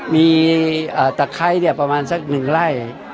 มีตะไคร้เนี่ยประมาณสักหนึ่งไร่